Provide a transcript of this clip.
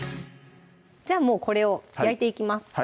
じゃあもうこれを焼いていきます